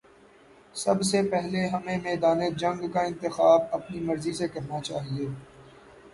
سب سے پہلے ہمیں میدان جنگ کا انتخاب اپنی مرضی سے کرنا چاہیے۔